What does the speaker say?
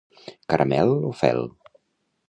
Caramel o fel.